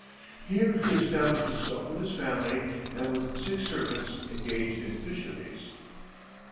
Here he established himself with his family, and with six servants engaged in fisheries.